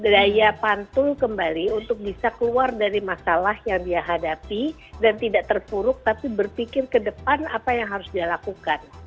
daya pantul kembali untuk bisa keluar dari masalah yang dia hadapi dan tidak terpuruk tapi berpikir ke depan apa yang harus dia lakukan